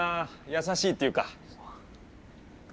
優しいっていうか。